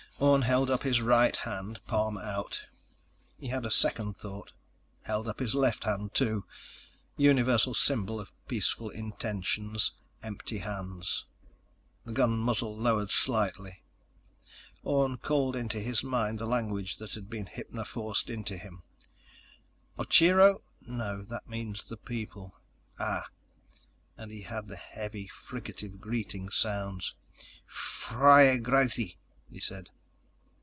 _ Orne held up his right hand, palm out. He had a second thought: held up his left hand, too. Universal symbol of peaceful intentions: empty hands. The gun muzzle lowered slightly. Orne called into his mind the language that had been hypnoforced into him. Ocheero? No. That means 'The People.' Ah ... And he had the heavy fricative greeting sound. "Ffroiragrazzi," he said.